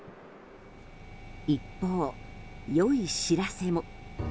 一方、良い知らせも。